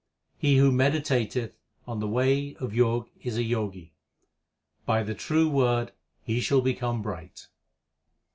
He who meditateth on the way of jog is a Jogi : By the true Word he shall become bright.